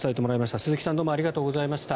鈴木さんどうもありがとうございました。